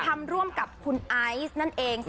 ทำร่วมกับคุณไอซ์นั่นเอง